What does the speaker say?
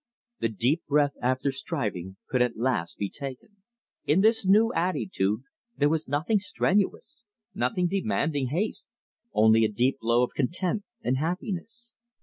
The deep breath after striving could at last be taken. In this new attitude there was nothing strenuous, nothing demanding haste; only a deep glow of content and happiness.